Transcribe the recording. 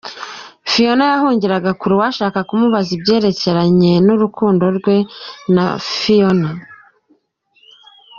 Phiona yahungiraga kure uwashaka kumubaza ibyerekeye urukundo rwe na Phiona.